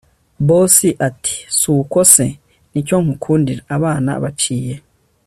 Boss atisuko se nicyo nkundira abana baciye